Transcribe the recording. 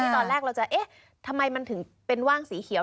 ตอนแรกเราจะเอ๊ะทำไมมันถึงเป็นว่างสีเขียว